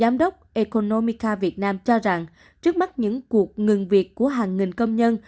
momica việt nam cho rằng trước mắt những cuộc ngừng việc của hàng nghìn công nhân